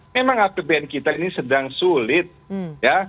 memang apbn kita ini sedang sulit ya